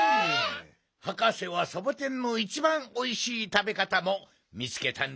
はかせはサボテンのいちばんおいしいたべかたもみつけたんだよ。